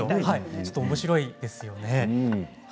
ちょっとおもしろいですよね。